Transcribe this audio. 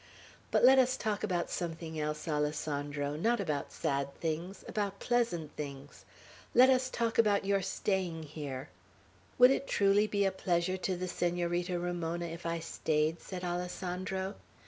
"But let us talk about something else, Alessandro; not about sad things, about pleasant things. Let us talk about your staying here." "Would it be truly a pleasure to the Senorita Ramona, if I stayed?" said Alessandro.